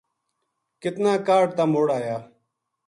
کتنا کاہڈ تا مُڑ آیا